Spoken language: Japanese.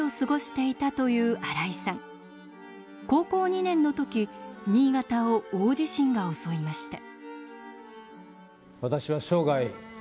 高校２年の時新潟を大地震が襲いました。